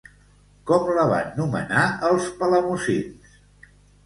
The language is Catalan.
Com la van nomenar els palamosins?